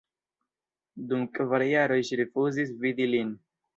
Dum kvar jaroj ŝi rifuzis vidi lin.